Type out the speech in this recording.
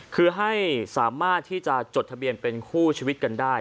คือให้สามารถที่จะจดทะเบียนเป็นคู่ชีวิตกันได้